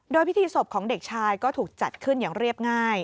โดยพิธีศพของเด็กชายก็ถูกจัดขึ้นอย่างเรียบง่าย